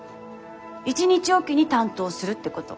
１日置きに担当するってこと。